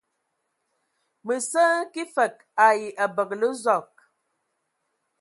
Mǝ sǝ hm kig fǝg ai abǝgǝlǝ Zɔg.